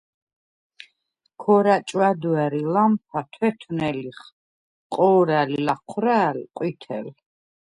ქორა̈ ჭვა̈დვა̈რ ი ლამფა თვეთნე ლიხ, ყო̄რა̈ლ ი ლაჴვრა̄̈̈ლ – ყვითელ.